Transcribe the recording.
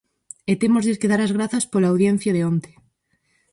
E témoslles que dar as grazas pola audiencia de onte.